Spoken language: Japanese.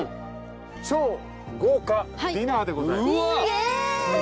超豪華ディナーでございます。